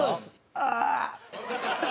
「ああ！」。